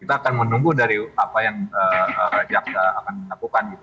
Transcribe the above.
kita akan menunggu dari apa yang jaksa akan melakukan